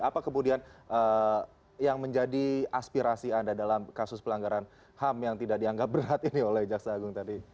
apa kemudian yang menjadi aspirasi anda dalam kasus pelanggaran ham yang tidak dianggap berat ini oleh jaksa agung tadi